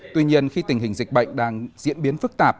tuy nhiên khi tình hình dịch bệnh đang diễn biến phức tạp